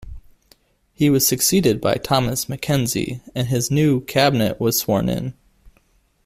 He was succeeded by Thomas Mackenzie and his new Cabinet was sworn in.